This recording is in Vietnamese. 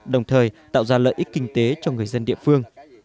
đồng thời tạo ra lợi ích kinh tế cho người dân địa phương